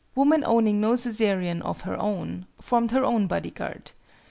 Woman owning no suzerain of her own, formed her own bodyguard.